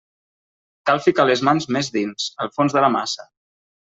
Cal ficar les mans més dins, al fons de la massa.